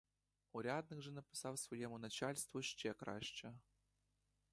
Урядник же написав своєму начальству ще краще.